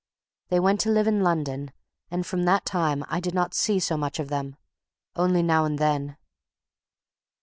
They went to live in London, and from that time I did not see so much of them, only now and then.